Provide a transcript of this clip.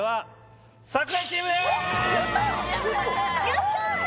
やったー！